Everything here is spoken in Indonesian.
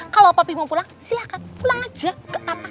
kalau popi mau pulang silahkan pulang aja ke papa kok